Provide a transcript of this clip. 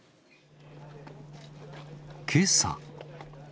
けさ。